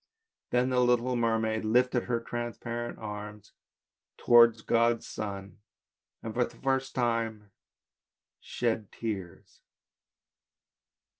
Then the little mermaid lifted her transparent arms towards God's sun, and for the first time shed tears.